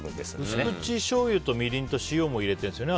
薄口しょうゆとみりんと塩も入れてるんですよね